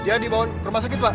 dia dibawa ke rumah sakit pak